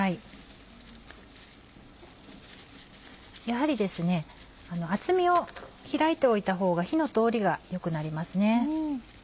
やはり厚みを開いておいたほうが火の通りが良くなります。